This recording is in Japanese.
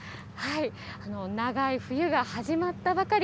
長い冬が始まったばかり。